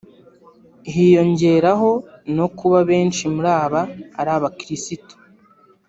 hiyongeraho no kuba benshi muri aba ari abakirisitu